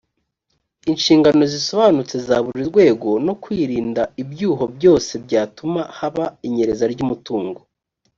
inshingano zisobanutse za buri rwego no kwirinda ibyuho byose byatuma haba inyereza ry umutungo